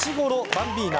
バンビーナ